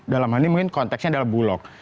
dalam hal ini mungkin konteksnya adalah bulog